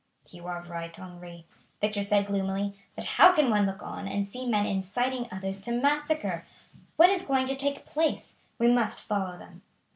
"You are right, Henri," Victor said gloomily; "but how can one look on and see men inciting others to massacre? What is going to take place? We must follow them."